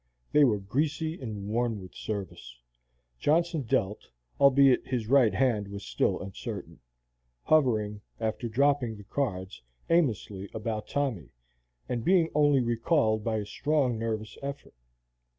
They were greasy and worn with service. Johnson dealt, albeit his right hand was still uncertain, hovering, after dropping the cards, aimlessly about Tommy, and being only recalled by a strong nervous effort.